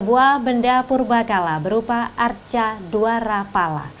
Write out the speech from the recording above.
sebuah benda purba kala berupa arca duarapala